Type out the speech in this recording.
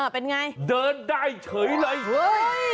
เป็นไงเดินได้เฉยเลยเฮ้ย